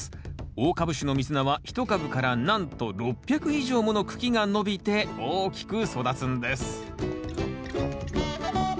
大株種のミズナは一株からなんと６００以上もの茎が伸びて大きく育つんです